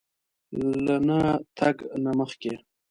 له نه تګ نه مخکې